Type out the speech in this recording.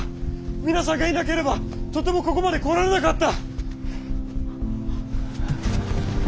皆さんがいなければとてもここまで来られなかった！